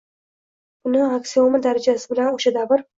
Buni aksioma darajasida bilgan oʻsha davr